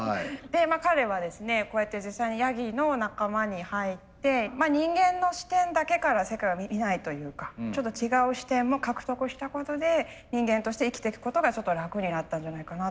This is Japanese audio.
彼はですねこうやって実際にヤギの仲間に入って人間の視点だけから世界を見ないというかちょっと違う視点も獲得したことで人間として生きてくことがちょっと楽になったんじゃないかなと。